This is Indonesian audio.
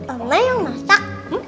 oma yang masak